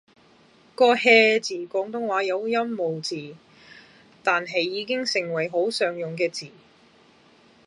個 hea 字廣東話有音無字，但係已經成為好常用嘅字